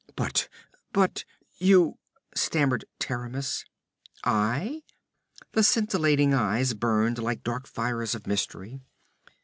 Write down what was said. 'But but you ' stammered Taramis. 'I?' The scintillant eyes burned like dark fires of mystery.